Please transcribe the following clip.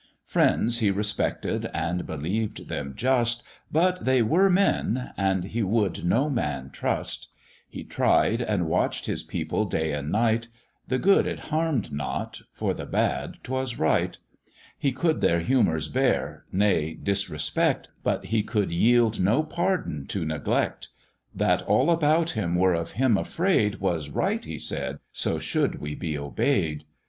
Friends he respected, and believed them just, But they were men, and he would no man trust; He tried and watch'd his people day and night, The good it harm'd not; for the bad 'twas right: He could their humours bear, nay disrespect, But he could yield no pardon to neglect; That all about him were of him afraid "Was right," he said "so should we be obey'd."